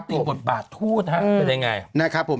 อีกบัตรทูตครับไปได้อย่างไร